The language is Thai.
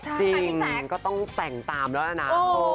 จริงก็ต้องแต่งตามแล้วนะ